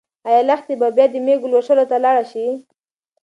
ايا لښتې به بیا د مېږو لوشلو ته لاړه شي؟